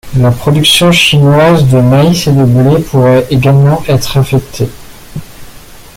La production chinoise de maïs et de blé pourrait également être affectée.